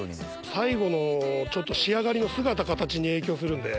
最後の仕上がりの姿形に影響するんで。